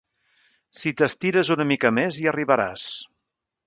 Si t'estires una mica més hi arribaràs.